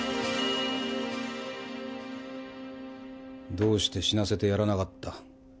・どうして死なせてやらなかった？